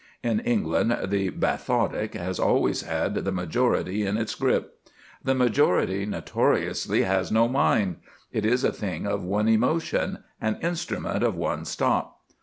In England the bathotic has always had the majority in its grip. The majority notoriously has no mind. It is a thing of one emotion, an instrument of one stop.